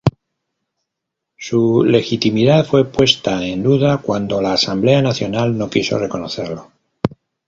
Su legitimidad fue puesta en duda cuando la Asamblea Nacional no quiso reconocerlo.